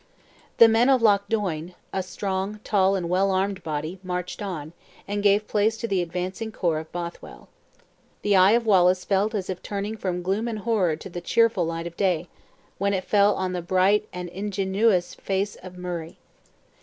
The men of Loch Doine, a strong, tall and well armed body, marched on, and gave place to the advancing corps of Bothwell. The eye of Wallace felt as if turning from gloom and horror to the cheerful light of day, when it fell on the bright and indigenuous face of Murray.